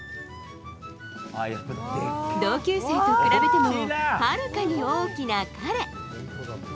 同級生と比べてもはるかに大きな彼。